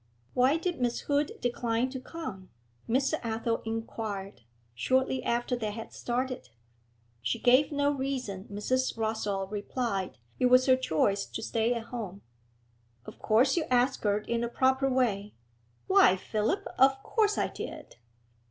'Why did Miss Hood decline to come?' Mr. Athel inquired, shortly after they had started. She gave no reason, Mrs. Rossall replied. 'It was her choice to stay at home.' 'Of course you asked her in a proper way?' 'Why, Philip, of course I did.'